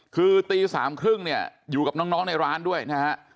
คือตี๓๓๐เนี่ยอยู่กับน้องในร้านด้วยนะฮะ